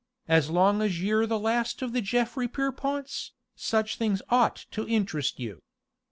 As long as you're the last of the Geoffray Pierreponts, such things ought to interest you."